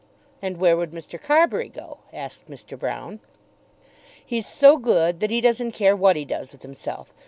"And where would Mr. Carbury go?" asked Mr. Broune. "He's so good that he doesn't care what he does with himself.